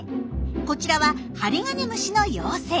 こちらはハリガネムシの幼生。